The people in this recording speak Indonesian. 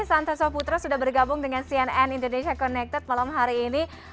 santoso putro sudah bergabung dengan cnn indonesia connected malam hari ini